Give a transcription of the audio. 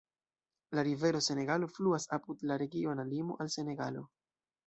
La Rivero Senegalo fluas apud la regiona limo al Senegalo.